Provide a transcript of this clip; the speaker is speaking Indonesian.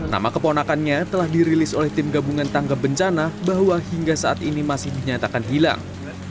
nama keponakannya telah dirilis oleh tim gabungan tangga bencana bahwa hingga saat ini masih dinyatakan hilang